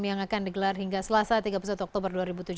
yang akan digelar hingga selasa tiga puluh satu oktober dua ribu tujuh belas